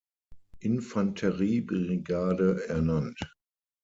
Infanteriebrigade ernannt.